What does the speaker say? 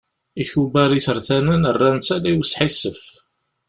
Ikubar isertanen rran-tt ala i usḥissef.